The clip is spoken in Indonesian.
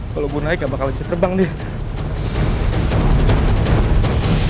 kalau gue naik gak bakal jatuh terbang deh